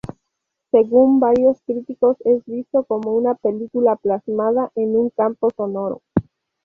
Según varios críticos es visto como una "película plasmada en un campo sonoro".